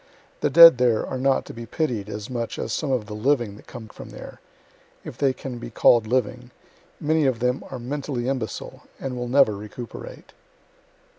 The dead there are not to be pitied as much as some of the living that come from there if they can be call' d living many of them are mentally imbecile, and will never recuperate.